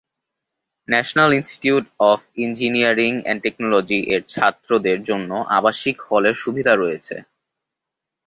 National institute of engineering and technology এর ছাত্রদের জন্য আবাসিক হলের সুবিধা রয়েছে।